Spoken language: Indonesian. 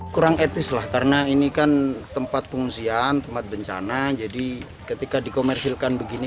kurang etis lah karena ini kan tempat pengungsian tempat bencana jadi ketika dikomersilkan begini